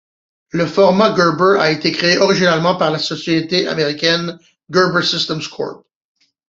Le format Gerber a été créé originellement par la société américaine Gerber Systems Corp.